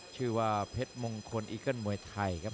ชื่อว่าเพชรมงคลอีเกิ้ลมวยไทยครับ